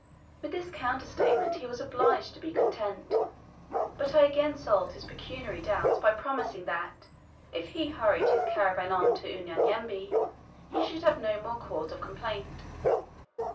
With this counter statement he was obliged to be content. But I again solved his pecuniary doubts by promising that, if he hurried his caravan on to Unyanyembe, he should have no cause of complaint.